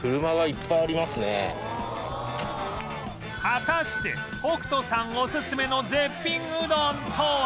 果たして北斗さんオススメの絶品うどんとは？